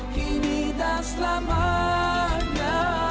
kini dan selamanya